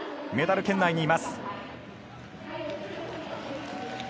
メダル圏内にいます。